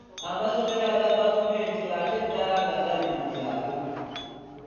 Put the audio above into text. Amasomero aga gavumenti ate ddala ago agali mu byalo.